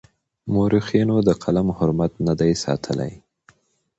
مورخينو د قلم حرمت نه دی ساتلی.